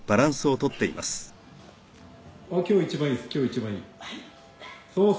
「今日一番いいです